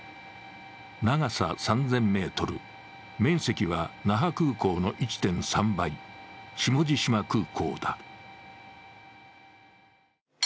長さ３０００ｍ、面積は那覇空港の１．３倍、下地島空港だ。